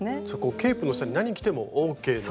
ケープの下に何着てもＯＫなような。